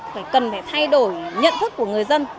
phải cần phải thay đổi nhận thức của người dân